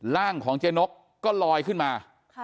ร่างของเจ๊นกก็ลอยขึ้นมา